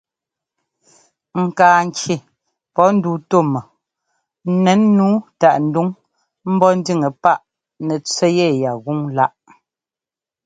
Ŋkaa ŋki pɔ́ nduu tú mɔ n nɛn nǔu táꞌ nduŋ ḿbɔ́ ńdíŋɛ páꞌ nɛtsẅɛ́ yɛyá gúŋláꞌ.